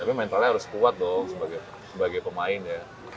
tapi mentalnya harus kuat dong sebagai pemain ya